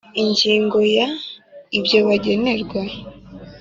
Ingingo ya ibyo bagenerwa